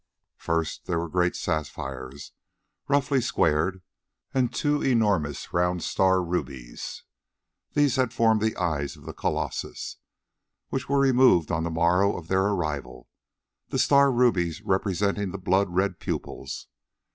First there were great sapphires roughly squared, and two enormous round star rubies: these had formed the eyes of the colossus, which were removed on the morrow of their arrival, the star rubies representing the blood red pupils.